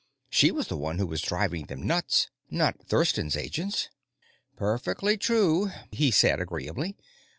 She was the one who was driving them nuts, not Thurston's agents." "Perfectly true," he said agreeably.